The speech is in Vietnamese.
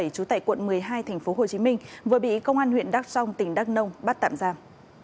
trú tại quận một mươi hai tp hcm vừa bị công an huyện đắk song tỉnh đắk nông bắt tạm giam